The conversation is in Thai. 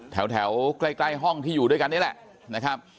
แถวใกล้ห้องที่อยู่ด้วยกันนี่แหละนะครับ